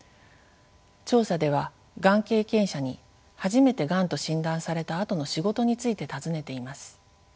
調査ではがん経験者に初めてがんと診断されたあとの仕事について尋ねています。